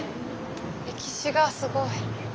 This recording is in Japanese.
歴史がすごい。